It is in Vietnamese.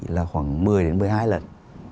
là khoảng một mươi đến một mươi hai lần